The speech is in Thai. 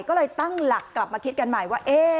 ก็เลยตั้งหลักกลับมาคิดกันใหม่ว่า